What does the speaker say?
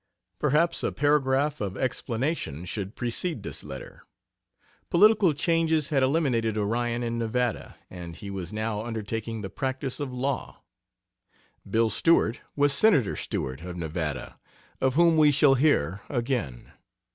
Perhaps a paragraph of explanation should precede this letter. Political changes had eliminated Orion in Nevada, and he was now undertaking the practice of law. "Bill Stewart" was Senator Stewart, of Nevada, of whom we shall hear again.